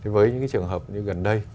với những cái trường hợp như gần đây